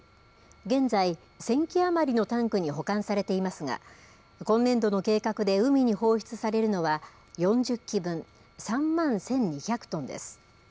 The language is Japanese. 現在、１０００基余りのタンクに保管されていますが今年度の計画で海に放出されるのは４０基分３万１２００トンです。